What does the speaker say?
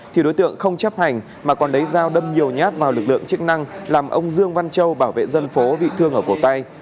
thì đối tượng không chấp hành mà còn lấy dao đâm nhiều nhát vào lực lượng chức năng làm ông dương văn châu bảo vệ dân phố bị thương ở cổ tay